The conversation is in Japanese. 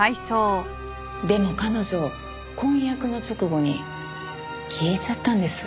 でも彼女婚約の直後に消えちゃったんです。